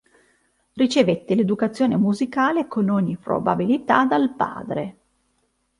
Ricevette l'educazione musicale con ogni probabilità dal padre.